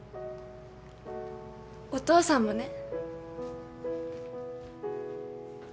お父さんもね。